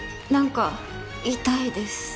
何か痛いです。